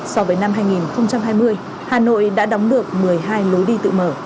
so với năm hai nghìn hai mươi hà nội đã đóng được một mươi hai lối đi tự mở